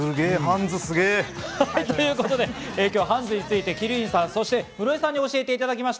今日はハンズについて鬼龍院翔さんと室井さんに教えていただきました。